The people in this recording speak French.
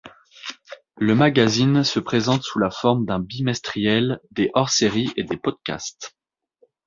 Le magazine se présente sous la forme d'un bimestriel, des hors-séries et des podcasts.